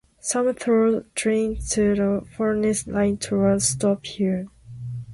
Some through trains to the Furness Line towards stop here.